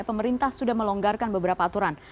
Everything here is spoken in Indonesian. pemerintah sudah melonggarkan beberapa aturan